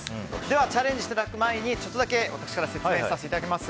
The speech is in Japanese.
チャレンジしていただく前にちょっとだけ私から説明させていただきます。